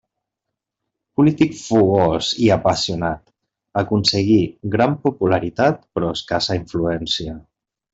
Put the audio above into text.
Polític fogós i apassionat, aconseguí gran popularitat, però escassa influència.